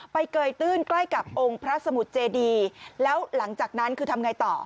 เกยตื้นใกล้กับองค์พระสมุทรเจดีแล้วหลังจากนั้นคือทำไงต่อ